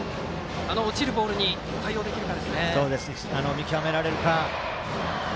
落ちるボールに対応できるか。